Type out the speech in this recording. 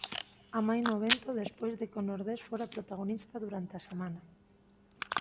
Amaina o vento despois de que o nordés fora protagonista durante a semana.